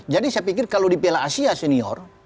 jadi saya pikir kalau di piala asia senior